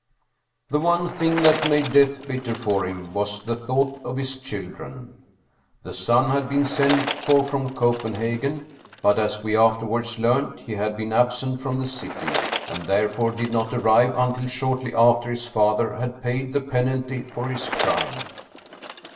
The one thing that made death bitter for him was the thought of his children. The son had been sent for from Copenhagen, but as we afterwards learned, he had been absent from the city, and therefore did not arrive until shortly after his father had paid the penalty for his crime.